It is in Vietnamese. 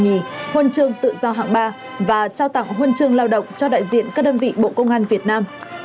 nhì huân chương tự do hạng ba và trao tặng huân chương lao động cho đại diện các đơn vị bộ công an việt nam